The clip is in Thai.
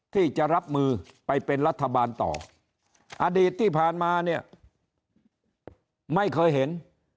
ที่จะรับมือไปเป็นรัฐบาลต่ออดีตที่ผ่านมาเนี่ยไม่เคยเห็น